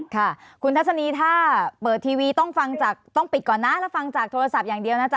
ค่ะคุณทัศนีถ้าเปิดทีวีต้องฟังจากต้องปิดก่อนนะแล้วฟังจากโทรศัพท์อย่างเดียวนะจ๊